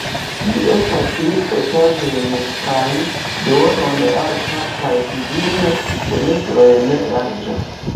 Ĝi estas tri etaĝojn kaj duonon alta, kaj kvin fenestrojn larĝa.